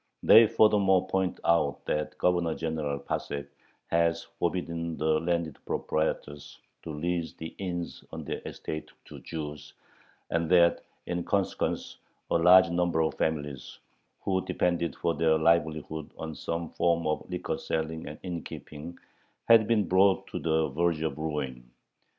They furthermore point out that Governor General Passek has forbidden the landed proprietors to lease the inns on their estates to Jews, and that in consequence a large number of families, who depended for their livelihood on some form of liquor selling and innkeeping, had been brought to the verge of ruin.